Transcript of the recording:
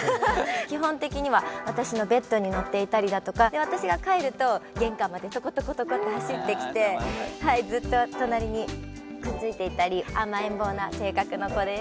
基本的には私のベッドにのっていたりだとか私が帰ると玄関までトコトコトコッて走ってきてずっと隣にくっついていたり甘えん坊な性格の子です。